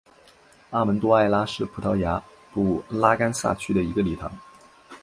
阿门多埃拉是葡萄牙布拉干萨区的一个堂区。